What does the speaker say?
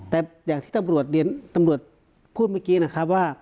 แต่อย่างที่ตำรวจพูดเมื่อกี้นะครับว่า